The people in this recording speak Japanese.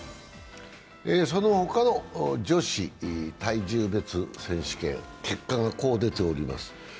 その他の女子体重別選手権、結果がこう出ております。